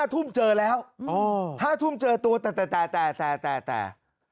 ๕ทุ่มเจอแล้ว๕ทุ่มเจอตัวแต่แต่